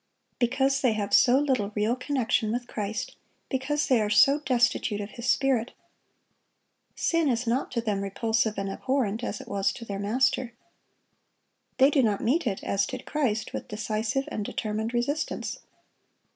Because they have so little real connection with Christ; because they are so destitute of His Spirit. Sin is not to them repulsive and abhorrent, as it was to their Master. They do not meet it, as did Christ, with decisive and determined resistance.